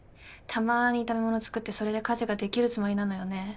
たまに炒めもの作ってそれで家事ができるつもりなのよね。